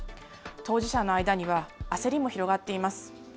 当事者の間には、焦りも広がっています。